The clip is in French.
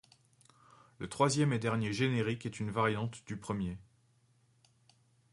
Le troisième et dernier générique est une variante du premier.